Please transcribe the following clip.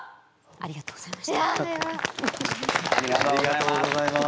ありがとうございます。